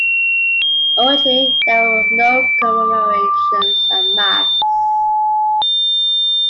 Originally there were no commemorations at Mass.